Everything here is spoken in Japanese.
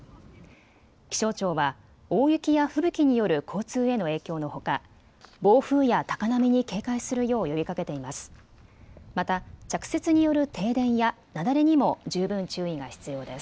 気象庁は大雪や吹雪による交通への影響のほか暴風や高波に警戒するよう呼びかけています。